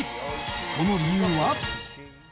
その理由は。